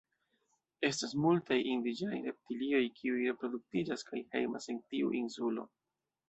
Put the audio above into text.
Estas multaj indiĝenaj reptilioj kiuj reproduktiĝas kaj hejmas en tiu insulo.